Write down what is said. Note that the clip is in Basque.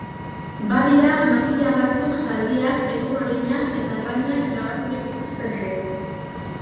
Badira makila batzuk zaldiak, elur-oreinak eta arrainak grabaturik dituzten ere.